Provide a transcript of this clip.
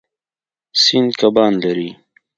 سیند کبان لري.